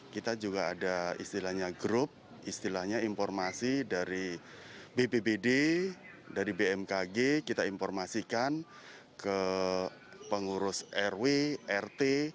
kita juga ada istilahnya grup istilahnya informasi dari bpbd dari bmkg kita informasikan ke pengurus rw rt